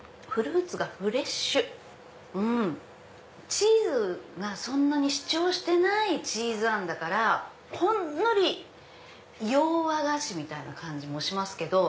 チーズがそんなに主張してないチーズあんだからほんのり洋和菓子みたいな感じもしますけど。